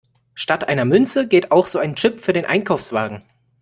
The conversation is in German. Statt einer Münze geht auch so ein Chip für den Einkaufswagen.